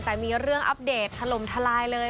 แต่มีเรื่องอัปเดตถล่มทลายเลย